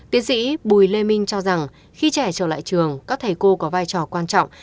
tiến sĩ bùi lê minh cho rằng khi trẻ trở lại trường các thầy cô có vai trò quan trọng